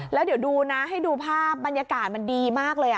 แล้วเดี๋ยวดูนะให้ดูภาพบรรยากาศมันดีมากเลย